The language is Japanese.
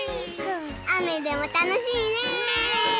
あめでもたのしいね！ね！